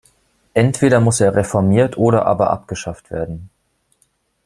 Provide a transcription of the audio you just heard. Entweder muss er reformiert oder aber abgeschafft werden.